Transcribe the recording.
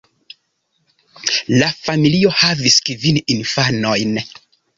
La familio havis kvin infanojn.